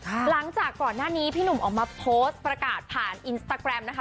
หลังจากก่อนหน้านี้พี่หนุ่มออกมาโพสต์ประกาศผ่านอินสตาแกรมนะคะ